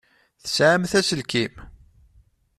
Tesεamt aselkim?